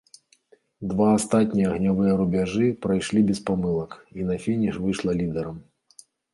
Два астатнія агнявыя рубяжы прайшлі без памылак і на фініш выйшла лідарам.